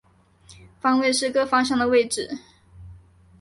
方位是各方向的位置。